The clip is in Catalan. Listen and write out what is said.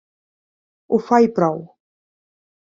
Ho fa i prou.